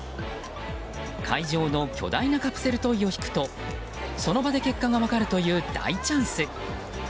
会場の巨大なカプセルトイを引くとその場で結果が分かるという大チャンス。